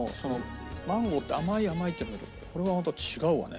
マンゴーって甘い甘いってなるけどこれは本当違うわね。